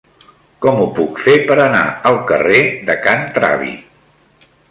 Com ho puc fer per anar al carrer de Can Travi?